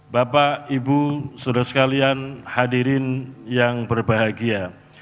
bapak ibu saudara sekalian hadirin yang berbahagia